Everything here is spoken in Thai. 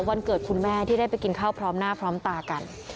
วันเกิดคุณแม่ที่ได้ไปกินข้าวพร้อมหน้าพร้อมตากัน